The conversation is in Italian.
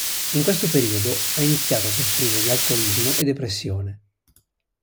In questo periodo ha iniziato a soffrire di alcolismo e depressione.